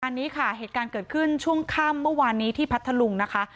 อันนี้ค่ะเหตุการณ์เกิดขึ้นช่วงค่ำเมื่อวานนี้ที่พัทธลุงนะคะ